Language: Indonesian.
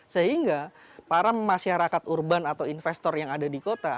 sehingga para masyarakat urban atau investor yang ada di kota